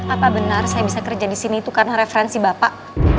apa benar saya bisa kerja di sini itu karena referensi bapak